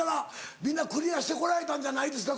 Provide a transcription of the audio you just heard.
皆クリアしてこられたんじゃないですか？